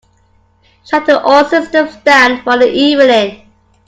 Shutting all systems down for the evening.